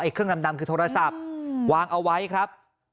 เครื่องดำคือโทรศัพท์วางเอาไว้ครับ